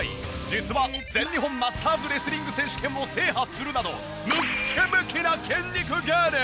実は全日本マスターズレスリング選手権を制覇するなどムッキムキな筋肉芸人！